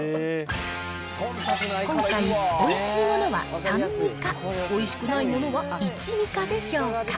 今回、おいしいものは３ミカ、おいしくないものは１ミカで評価。